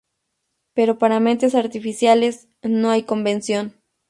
Pero para mentes artificiales, no hay convención".